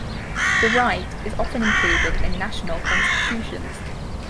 The right is often included in national constitutions.